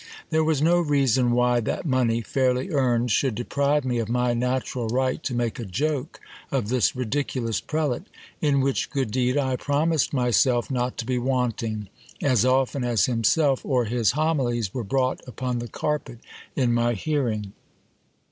There was no reason why that money, fairly earned, should deprive me of my natural right to make a joke of this ridiculous prelate ; in which good deed I promised myself not to be wanting, as often as himself or his homi lies were brought upon the carpet in my hearing.